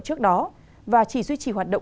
trước đó và chỉ duy trì hoạt động